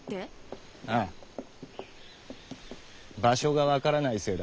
「場所」が分からないせいだ。